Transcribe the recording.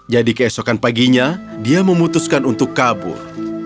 jadi keesokan paginya dia memutuskan untuk kabur